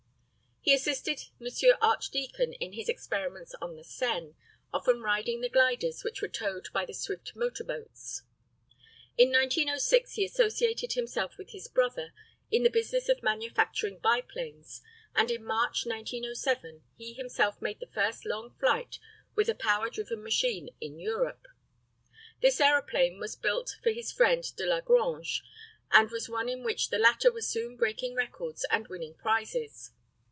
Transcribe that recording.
He assisted M. Archdeacon in his experiments on the Seine, often riding the gliders which were towed by the swift motor boats. In 1906 he associated himself with his brother in the business of manufacturing biplane machines, and in March, 1907, he himself made the first long flight with a power driven machine in Europe. This aeroplane was built for his friend Delagrange, and was one in which the latter was soon breaking records and winning prizes.